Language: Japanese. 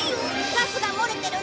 ガスが漏れてるんだ。